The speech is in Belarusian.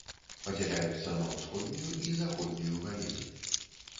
Падзяляюцца на ўсходнюю і заходнюю галіны.